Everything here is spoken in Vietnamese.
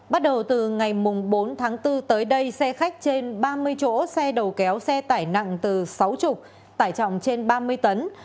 bắt đầu từ ngày bốn tháng bốn tới đây xe khách trên ba mươi chỗ xe đầu kéo xe tải nặng từ sáu mươi tải trọng trên ba mươi tấn